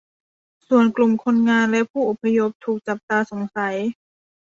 ส่วนกลุ่มคนงานและผู้อพยพถูกจับตาสงสัย